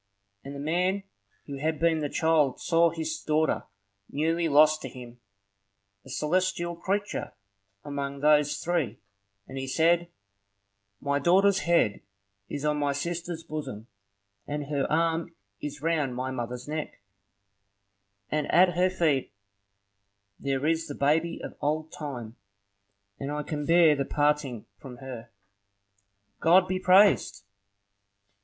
And the man who had been the child saw his daughter, newly lost to him, a celestial creature among those three, and he said, "My daughter's head is on my sister's bosom, and her arm is round my mother's neck, and at her feet there is the baby of old time, and I can bear the parting from her, God be praised!"